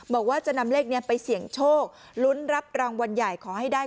บอกว่าจะนำเลขนี้ไปเสี่ยงโชคลุ้นรับรางวัลใหญ่ขอให้ได้